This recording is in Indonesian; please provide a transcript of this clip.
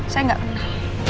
saya gak kenal